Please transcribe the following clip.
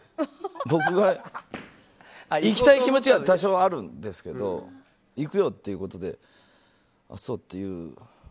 僕が行きたい気持ちは多少あるんですけど行くよっていうことであっそうっていう。